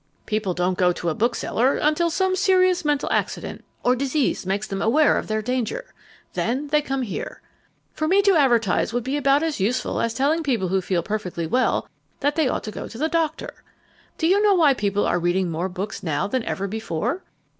People don't go to a bookseller until some serious mental accident or disease makes them aware of their danger. Then they come here. For me to advertise would be about as useful as telling people who feel perfectly well that they ought to go to the doctor. Do you know why people are reading more books now than ever before?